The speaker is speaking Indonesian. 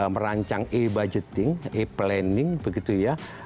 merancang e budgeting e planning begitu ya